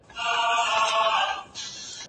تاسو باید د مقالي لپاره یو قوي استدلال ولرئ.